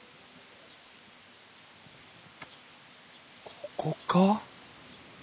ここか？